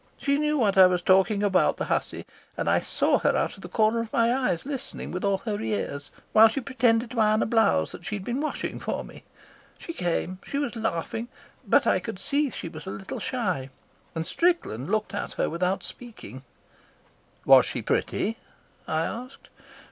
She knew what I was talking about, the hussy, and I saw her out of the corner of my eyes listening with all her ears, while she pretended to iron a blouse that she had been washing for me. She came. She was laughing, but I could see that she was a little shy, and Strickland looked at her without speaking." "Was she pretty?" I asked.